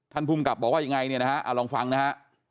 ท่านภูมิกับบอกว่าอย่างไรเนี่ยนะฮะลองฟังนะฮะ